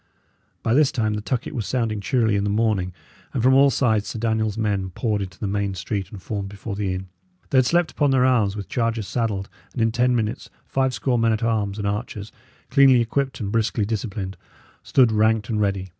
By this time the tucket was sounding cheerily in the morning, and from all sides Sir Daniel's men poured into the main street and formed before the inn. They had slept upon their arms, with chargers saddled, and in ten minutes five score men at arms and archers, cleanly equipped and briskly disciplined, stood ranked and ready.